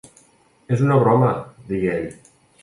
"És una broma," digué ell.